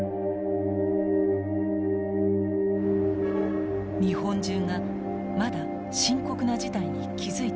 日本中がまだ深刻な事態に気付いていませんでした。